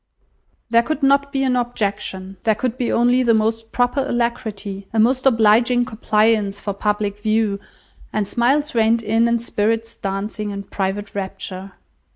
There could not be an objection. There could be only the most proper alacrity, a most obliging compliance for public view; and smiles reined in and spirits dancing in private rapture.